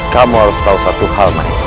kamu harus tahu satu hal manis